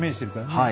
はい。